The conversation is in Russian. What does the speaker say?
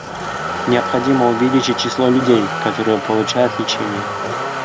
Необходимо увеличить число людей, которые получают лечение.